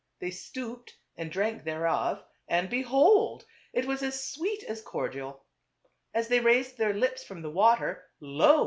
They stooped and drank thereof, and behold ! it was as sweet as cor dial. As they raised their lips from the water, lo